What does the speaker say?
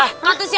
eh jangan teriak